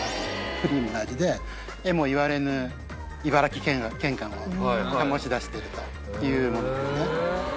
クリームの味でえもいわれぬ茨城県感を醸し出してるというものですね